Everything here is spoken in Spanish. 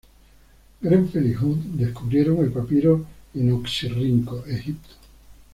Grenfell y Hunt descubrieron el papiro en Oxirrinco, Egipto.